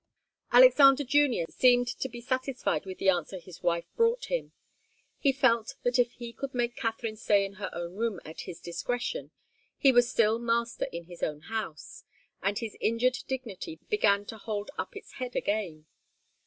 Alexander Junior seemed to be satisfied with the answer his wife brought him. He felt that if he could make Katharine stay in her own room at his discretion, he was still master in his own house, and his injured dignity began to hold up its head again.